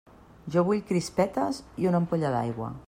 Jo vull crispetes i una ampolla d'aigua!